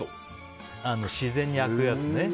自然に開くやつね。